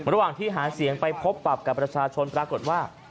ระหว่างที่หาเสียงไปพบปรับกับประชาชนปรากฏว่า